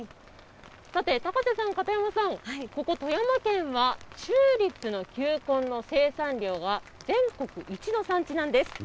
さて高瀬さん、片山さん、ここ、富山県はチューリップの球根の生産量が全国一の産地なんです。